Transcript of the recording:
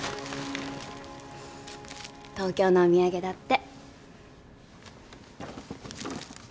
東京のお土産だって。